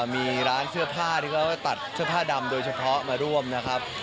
มีร้านเสื้อผ้าที่เขาตัดเสื้อผ้าดำโดยเฉพาะมาร่วมนะครับ